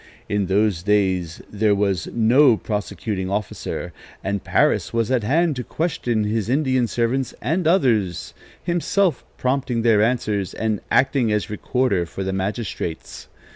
In those days, there was no prosecuting officer, and Parris was at hand to question his Indian servants and others, himself prompting their answers and acting as recorder to the magistrates.